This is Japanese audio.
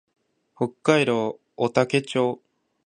北海道雄武町